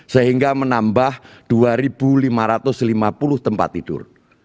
sehingga menambah dua lima ratus lima puluh tempat tidur